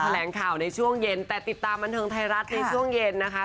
แหลงข่าวในช่วงเย็นแต่ติดตามบันเทิงไทยรัฐในช่วงเย็นนะคะ